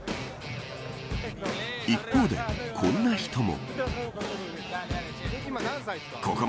一方で、こんな人も。